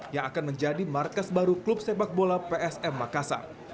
yang akan menjadi markas baru klub sepak bola psm makassar